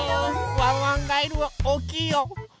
ワンワンガエルはおおきいよ！